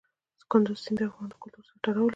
کندز سیند د افغان کلتور سره تړاو لري.